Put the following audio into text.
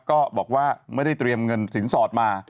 ก็บอกว่าไม่ได้เตรียมเงินสินสอดมา